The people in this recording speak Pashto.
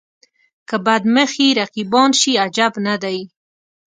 که بد مخي رقیبان شي عجب نه دی.